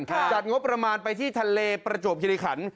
จัดงบประมาณไปที่ทะเลประจวบคิริขัน